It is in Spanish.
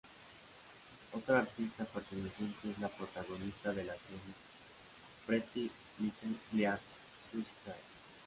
Otra artista perteneciente es la protagonista de la serie Pretty Little Liars, Lucy Hale.